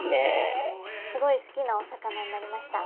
すごい好きなお魚になりました。